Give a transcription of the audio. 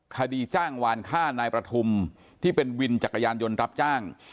คดีจ้างวานฆ่านายประทุมที่เป็นวินจักรยานยนต์รับจ้าง